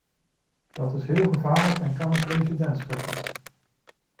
Dat is heel gevaarlijk en kan een precedent scheppen.